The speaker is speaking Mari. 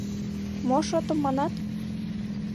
— Мо шотым манат?